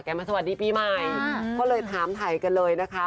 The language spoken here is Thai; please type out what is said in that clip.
มาสวัสดีปีใหม่ก็เลยถามถ่ายกันเลยนะคะ